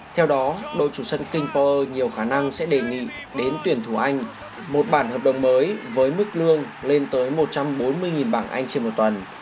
theo đó đội chủ sân king poer nhiều khả năng sẽ đề nghị đến tuyển thủ anh một bản hợp đồng mới với mức lương lên tới một trăm bốn mươi bảng anh trên một tuần